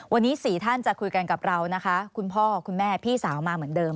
วันนี้๔ท่านจะคุยกันกับเรานะคะคุณพ่อคุณแม่พี่สาวมาเหมือนเดิม